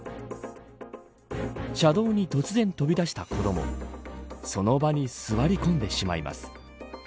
車道に突然飛び出した子どもその場に座り込んでしまいます。